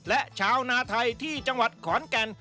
และชาวนาไทยที่จังหวัดขอนแก่น